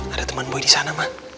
ada teman boy di sana mbak